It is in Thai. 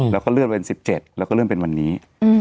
แล้วก็เลื่อนวัน๑๗แล้วก็เลื่อนเป็นวันนี้